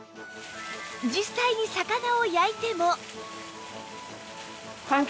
実際に魚を焼いても